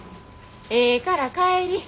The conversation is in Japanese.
ええから帰り。